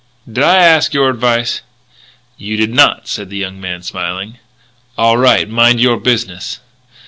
"Did I ask your advice?" "You did not," said the young man, smiling. "All right. Mind your business."